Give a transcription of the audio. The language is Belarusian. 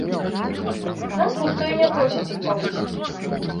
Нас ніхто і не просіць іх павысіць.